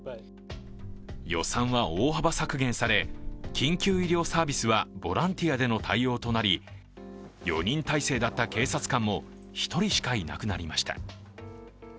予算は大幅削減され緊急医療サービスはボランティアでの対応となり４人態勢だった警察官も１人しかいなくなりました。